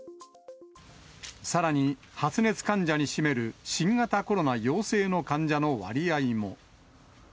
さらに、発熱患者に占める新型コロナ陽性の患者の割合も。